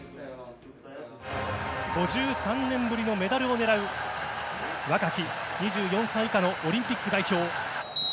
５３年ぶりのメダルを狙う若き２４歳以下のオリンピック代表。